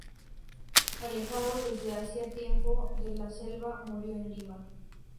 Alejado desde hacía tiempo de la selva, murió en Lima.